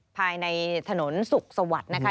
ภายในถนนสุขสวัสดิ์นะคะ